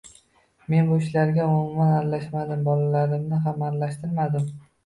Men bu ishlarga umuman aralashmadim, bolalarimni ham aralashtirmadim